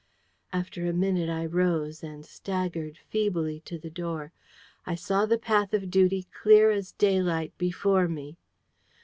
After a minute, I rose, and staggered feebly to the door. I saw the path of duty clear as daylight before me.